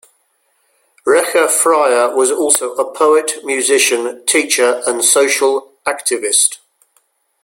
Recha Freier was also a poet, musician, teacher and social activist.